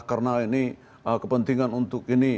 karena ini kepentingan untuk ini